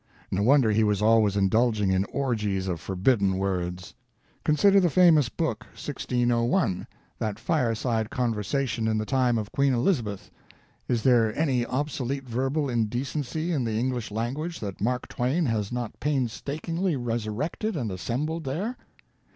No wonder he was always indulging in orgies of forbidden words. Consider the famous book, 1601, that fireside conversation in the time of Queen Elizabeth: is there any obsolete verbal indecency in the English language that Mark Twain has not painstakingly resurrected and assembled there?